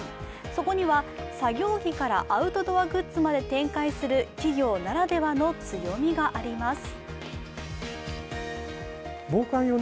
そこには作業着からアウトドアグッズまで展開する企業ならではの強みがあります。